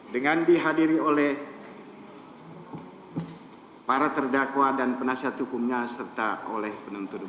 dengan dihadiri oleh para terdakwa dan penasihat hukumnya serta oleh penuntut umum